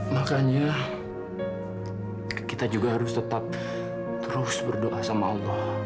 makanya kita juga harus tetap terus berdoa sama allah